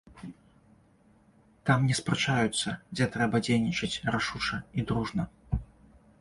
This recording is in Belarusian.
Там не спрачаюцца, дзе трэба дзейнічаць рашуча і дружна.